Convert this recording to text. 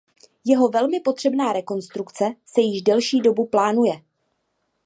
Jeho velmi potřebná rekonstrukce se již delší dobu plánuje.